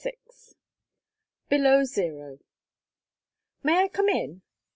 VI BELOW ZERO "May I come in?"